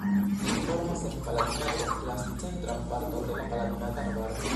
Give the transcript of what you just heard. Ĝi formas en Palatinato la centran parton de la Palatinata Arbaro.